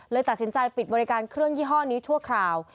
ตัดสินใจปิดบริการเครื่องยี่ห้อนี้ชั่วคราว